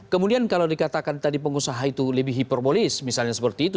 kemudian kalau dikatakan tadi pengusaha itu lebih hiperbolis misalnya seperti itu